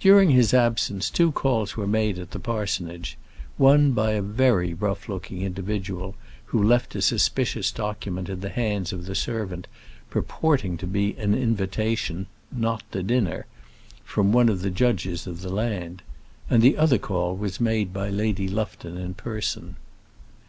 During his absence two calls were made at the parsonage one by a very rough looking individual, who left a suspicious document in the hands of the servant, purporting to be an invitation not to dinner from one of the judges of the land; and the other call was made by Lady Lufton in person.